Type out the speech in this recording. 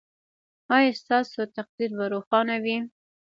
ایا ستاسو تقدیر به روښانه وي؟